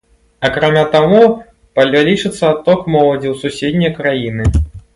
Акрамя таго, павялічыцца адток моладзі ў суседнія краіны.